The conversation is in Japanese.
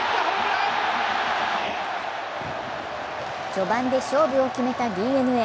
序盤で勝負を決めたＤｅＮＡ。